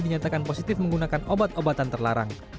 dinyatakan positif menggunakan obat obatan terlarang